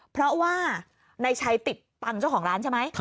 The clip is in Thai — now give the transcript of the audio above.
เพราะว่านายชัยติดตังค์เจ้าของร้านใช่ไหม